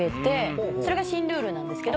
それが新ルールなんですけど。